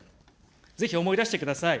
ぜひ思い出してください。